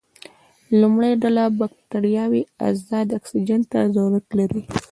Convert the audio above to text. لومړۍ ډله بکټریاوې ازاد اکسیجن ته ضرورت لري.